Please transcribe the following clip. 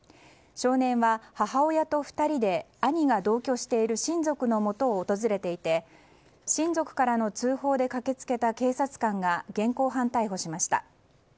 少年は母親と２人で兄が同居している親族のもとを訪れていて親族からの通報で駆け付けた警察官が現行犯逮捕しました。